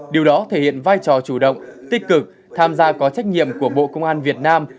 điều đó thể hiện vai trò chủ động tích cực tham gia có trách nhiệm của bộ công an việt nam